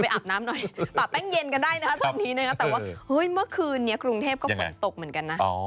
ไปอาบน้ำหน่อยปรับแป้งเย็นกันได้นะครับแต่ว่าเมื่อคืนกรุงเทพก็ปล่นตกเหมือนกันนะ